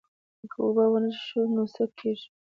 که اوبه ونه څښو نو څه کیږي